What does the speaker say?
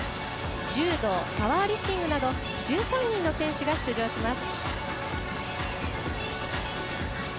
柔道、パワーリフティングなど１３人の選手が出場します。